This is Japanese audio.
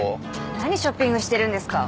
何ショッピングしてるんですか。